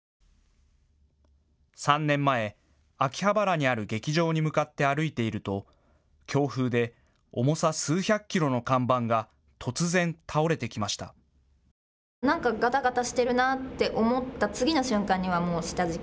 ３年前、秋葉原にある劇場に向かって歩いていると強風で重さ数百キロの看板が突然、倒れてきました。